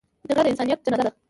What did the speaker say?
جګړه د انسانیت جنازه ده